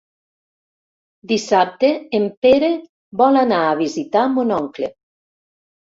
Dissabte en Pere vol anar a visitar mon oncle.